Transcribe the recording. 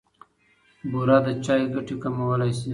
بوره د چای ګټې کمولای شي.